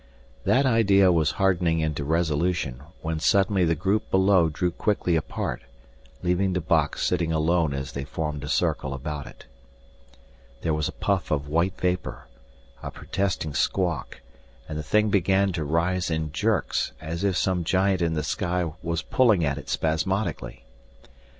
That idea was hardening into resolution when suddenly the group below drew quickly apart, leaving the box sitting alone as they formed a circle about it. There was a puff of white vapor, a protesting squawk, and the thing began to rise in jerks as if some giant in the sky was pulling at it spasmodically.